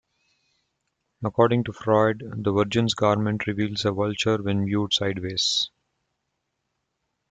According to Freud, the Virgin's garment reveals a vulture when viewed sideways.